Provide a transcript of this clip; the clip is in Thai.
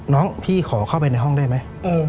น้องพี่ขอเข้าไปในห้องได้ไหม